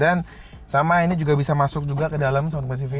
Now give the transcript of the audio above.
dan sama ini juga bisa masuk juga ke dalam sobat tempat cv